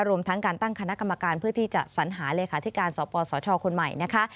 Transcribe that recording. รวมทั้งการตั้งคณะกรรมการเพื่อที่จะสัญหาเลขาธิการสปสชคนใหม่นะคะ